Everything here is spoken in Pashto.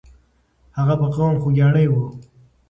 هغه په قوم خوګیاڼی وو.